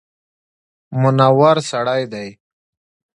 منور سړی دی.